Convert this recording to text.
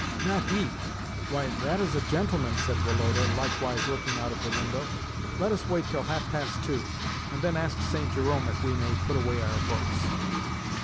"Not he! Why, that is a gentleman," said Woloda, likewise looking out of the window, "Let us wait till half past two, and then ask St. Jerome if we may put away our books."